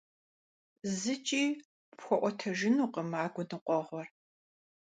ЗыкӀи пхуэӀуэтэжынукъым а гуныкъуэгъуэр.